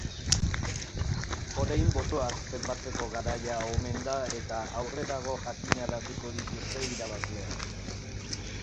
Orain, botoak zenbatzeko garaia omen da eta aurrerago jakinaraziko dituzte irabazleak.